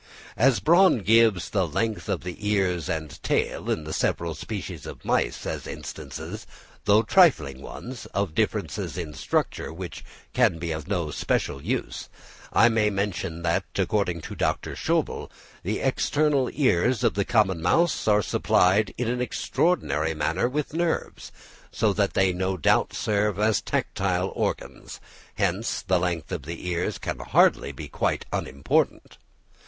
As Bronn gives the length of the ears and tail in the several species of mice as instances, though trifling ones, of differences in structure which can be of no special use, I may mention that, according to Dr. Schöbl, the external ears of the common mouse are supplied in an extraordinary manner with nerves, so that they no doubt serve as tactile organs; hence the length of the ears can hardly be quite unimportant.